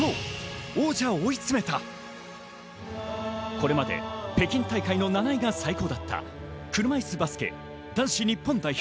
これまで北京大会の７位が最高だった車いすバスケ男子日本代表。